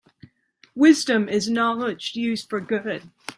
Wisdom is knowledge used for good.